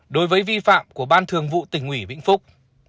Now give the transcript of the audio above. một đối với vi phạm của ban thường vụ tỉnh ủy vĩnh phúc